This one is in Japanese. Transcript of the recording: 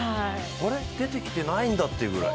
あれ、出てきてないんだって感じ。